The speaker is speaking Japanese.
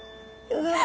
うわ。